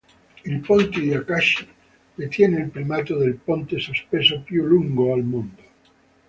Il ponte di Akashi detiene il primato del ponte sospeso più lungo al mondo.